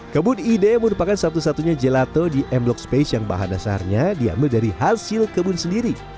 kebun ide merupakan satu satunya gelato di m block space yang bahan dasarnya diambil dari hasil kebun sendiri